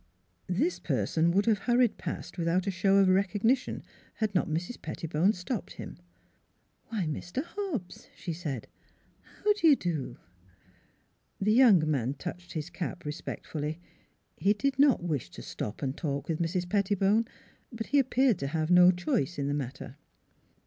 This person would have hurried past without show of recognition had not Mrs. Pettibone stopped him. "Why, Mr. Hobbs," she said; "how do you do?" The young man touched his cap respectfully. He did not wish to stop and talk with Mrs. Petti bone; but he appeared to have no choice in the matter.